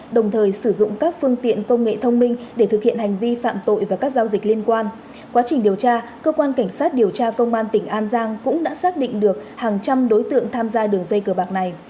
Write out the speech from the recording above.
để thực hiện hành vi phạm tội và các giao dịch liên quan quá trình điều tra cơ quan cảnh sát điều tra công an tỉnh an giang cũng đã xác định được hàng trăm đối tượng tham gia đường dây cờ bạc này